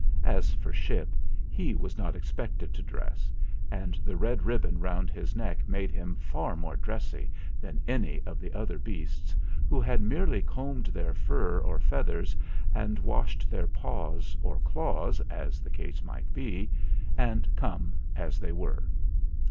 As for Ship, he was not expected to 114 THE FLINT HEART dress, and the red ribbon round his neck made him far more dressy than any of the other beasts, who had merely combed their fur or feathers and washed their paws or claws, as the case might be, and come as they were.